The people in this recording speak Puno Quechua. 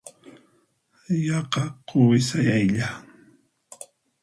Yaqa quwi sayaylla.